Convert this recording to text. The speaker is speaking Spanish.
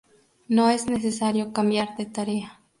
No es necesario cambiar de tarea.